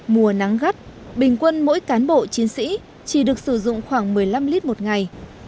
mùa nắng gắt bình quân mỗi cán bộ chiến sĩ chỉ được sử dụng khoảng một mươi năm lít một ngày